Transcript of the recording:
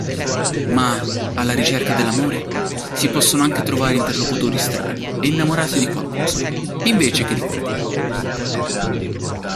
Ma, alla ricerca dell'amore, si possono anche trovare interlocutori strani e innamorarsi di qualcosa, invece che di qualcuno.